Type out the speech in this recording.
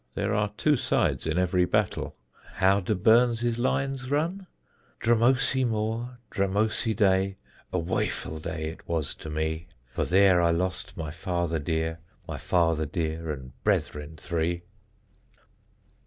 There are two sides in every battle; how do Burns's lines run? Drumossie moor Drumossie day A waefu' day it was to me! For there I lost my father dear, My father dear, and brethren three.)